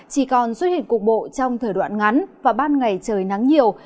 chỉ còn xuất hiện cục bộ trong thời đoạn ngắn và ban ngày trời nắng nhiều